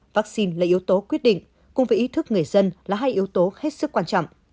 vaccine là yếu tố quyết định cùng với ý thức người dân là hai yếu tố hết sức quan trọng